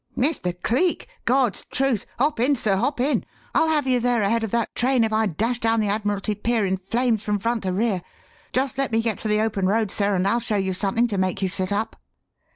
"Mr. Cleek? God's truth! Hop in sir, hop in! I'll have you there ahead of that train if I dash down the Admiralty Pier in flames from front to rear. Just let me get to the open road, sir, and I'll show you something to make you sit up."